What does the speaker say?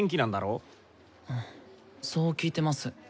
そう聞いてます。